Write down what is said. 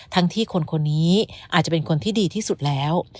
ทั้งที่คนคนนี้อาจจะเป็นคนที่ดีที่สุดแล้ว